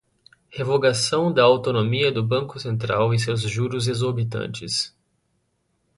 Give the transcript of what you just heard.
Revogação da autonomia do Banco Central e seus juros exorbitantes